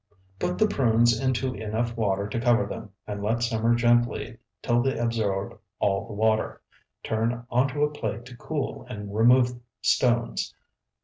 Put the prunes into enough water to cover them, and let simmer gently till they absorb all the water. Turn onto a plate to cool and remove stones.